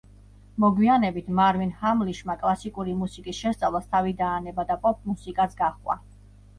მოგვიანებით, მარვინ ჰამლიშმა კლასიკური მუსიკის შესწავლას თავი დაანება და პოპ მუსიკას გაჰყვა.